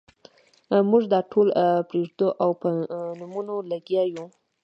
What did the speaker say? موږ دا ټول پرېږدو او په نومونو لګیا یو.